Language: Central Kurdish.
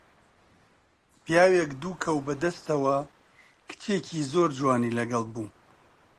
پیاوێک دوو کەو بە دەستەوە، کچێکی زۆر جوانی لەگەڵ بوو